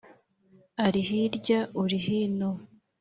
ari hirya uri hino